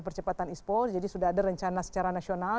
percepatan ispo jadi sudah ada rencana secara nasional